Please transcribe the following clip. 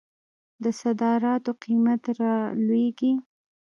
د صادراتو قیمت رالویږي.